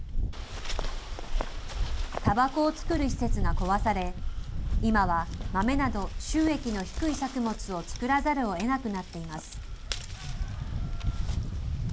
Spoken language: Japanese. タバコを作る施設が壊され、今は豆など、収益の低い作物を作らざるをえなくなっています。